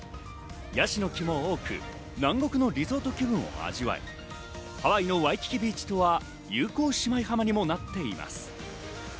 ヤシの木も多く、南国のリゾート気分を味わえ、ハワイのワイキキビーチとは友好姉妹浜にもなっています。